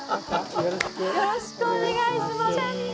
よろしくお願いします。